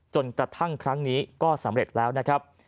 จนกระทั่งครั้งนี้ก็สำเร็จแล้วนะครับ